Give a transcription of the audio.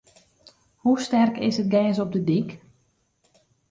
Hoe sterk is it gers op de dyk?